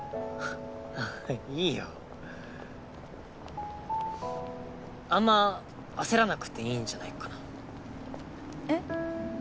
あぁいいよあんま焦らなくていいんじゃないかなえっ？